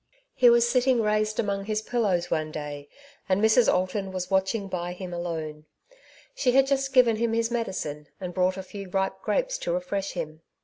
He was sitting raised among his piUows one day, and Mrs. Alton was watching by him alone. She had just given him his medicine, and brought a few ripe grapes to refresh him.